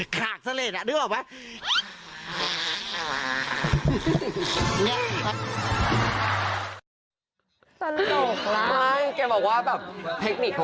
ขากเสลดนี่นึกออกไหม